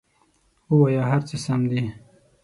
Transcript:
ووایه هر څه سم دي!